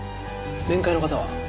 面会の方は？